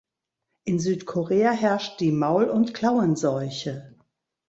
In Südkorea herrscht die Maul- und Klauenseuche.